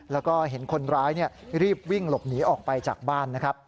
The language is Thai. แล้วก็เห็นคนร้ายรีบวิ่งหลบหนีออกไปจากบ้านนะครับ